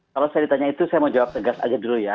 kalau saya ditanya itu saya mau jawab tegas aja dulu ya